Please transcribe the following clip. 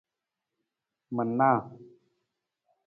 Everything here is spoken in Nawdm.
Manaa.